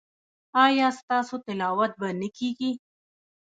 ایا ستاسو تلاوت به نه کیږي؟